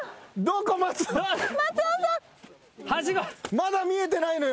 まだ見えてないのよ。